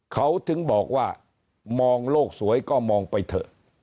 เขาถึงบอกว่ามองโลกสวยก็มองไปเถอะ